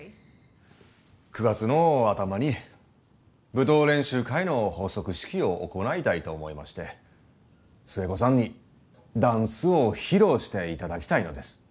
９月の頭に舞踏練習会の発足式を行いたいと思いまして寿恵子さんにダンスを披露していただきたいのです。